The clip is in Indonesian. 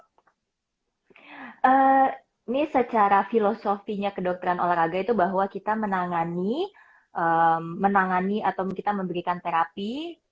ini secara filosofinya kedokteran olahraga itu bahwa kita menangani atau kita memberikan terapi